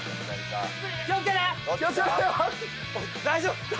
大丈夫？